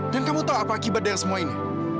dan kamu tau apa akibat dari semua ini